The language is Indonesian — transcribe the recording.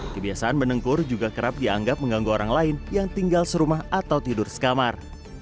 kebiasaan menengkur juga kerap dianggap mengganggu orang lain yang tinggal serumah atau tidur sekamar